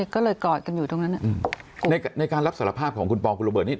ก็เลยกอดกันอยู่ตรงนั้นในการรับสารภาพของคุณปองคุณระเบิร์นี่